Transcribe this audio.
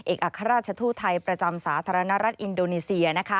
อัครราชทูตไทยประจำสาธารณรัฐอินโดนีเซีย